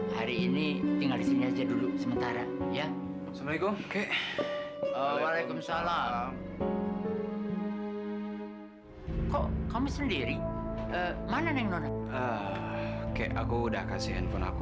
sampai jumpa di video selanjutnya